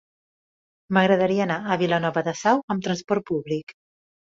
M'agradaria anar a Vilanova de Sau amb trasport públic.